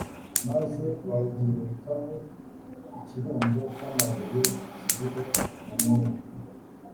maze bawugerekaho ikirundo cy'amabuye kikiriho na n'ubu